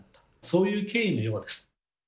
そういう経緯のようです。